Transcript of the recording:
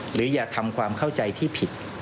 หรืออย่าทำความเข้าใจที่ผิด